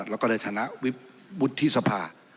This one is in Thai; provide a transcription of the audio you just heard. และในฐานะวุฒิสภา